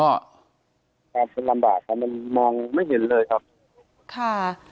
ลำบากมันมองไม่เห็นเลยครับ